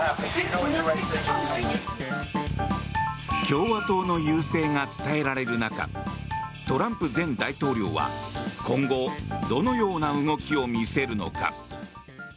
共和党の優勢が伝えられる中トランプ前大統領は今後、どのような動きを見せるのか。